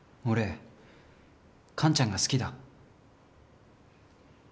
俺カンちゃんが好きだ。